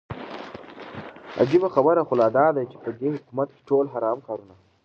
عجيبه خبره خو لا داده چې په دې حكومت كې ټول حرام كارونه